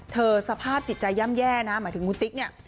สภาพจิตใจย่ำแย่นะหมายถึงคุณติ๊กเนี่ย